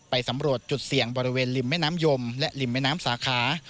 สำรวจจุดเสี่ยงบริเวณริมแม่น้ำยมและริมแม่น้ำสาขา